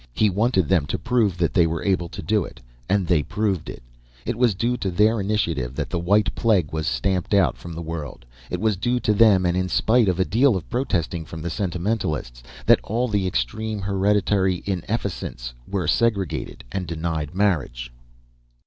He wanted them to prove that they were able to do it, and they proved it. It was due to their initiative that the white plague was stamped out from the world. It was due to them, and in spite of a deal of protesting from the sentimentalists, that all the extreme hereditary inefficients were segregated and denied marriage.